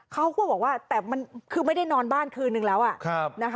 เขาก็บอกว่าแต่มันคือไม่ได้นอนบ้านคืนนึงแล้ว